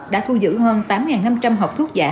đã thu giữ hơn tám năm trăm linh hộp thuốc giả